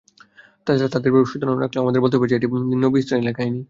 তাছাড়া তাদের ব্যাপারে সুধারণা রাখলেও আমাদের বলতে হবে যে, এটি বনী ইসরাঈলের কাহিনী।